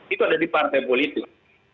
itu ada di partai politik